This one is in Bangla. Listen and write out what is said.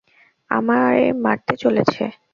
আমায় মারতে চলেছে!